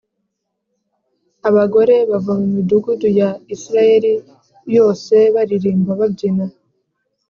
abagore bava mu midugudu ya Isirayeli yose baririmba babyina